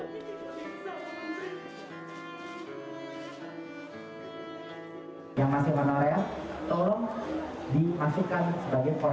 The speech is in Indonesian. ketika perusahaan tersebut dikenal kemudian dipercaya oleh tk negeri pembina pedesaan